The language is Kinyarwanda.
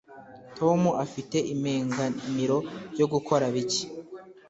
Tom afite impengamiro yo gukora bike.